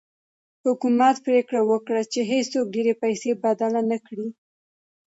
حکومت پرېکړه وکړه چې هېڅوک ډېرې پیسې بدل نه کړي.